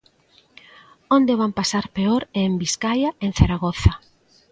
Onde o van pasar peor é en Biscaia e en Zaragoza.